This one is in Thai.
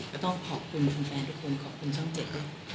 ก็ต้องขอบคุณแฟนทุกคนขอบคุณช่องเจ็ด